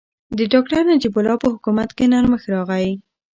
د ډاکټر نجیب الله په حکومت کې نرمښت راغی.